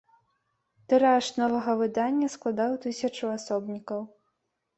Тыраж новага выдання складаў тысячу асобнікаў.